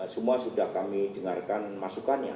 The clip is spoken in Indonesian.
semua sudah kami dengarkan masukannya